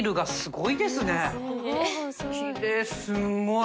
すごい。